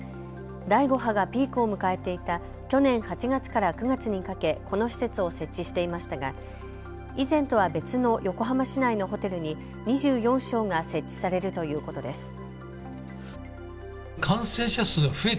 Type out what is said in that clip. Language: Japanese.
第５波がピークを迎えていた去年８月から９月にかけこの施設を設置していましたが以前とは別の横浜市内のホテルに２４床が設置されるということです。